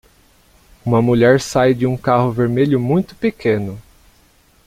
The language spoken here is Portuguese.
Uma mulher sai de um carro vermelho muito pequeno.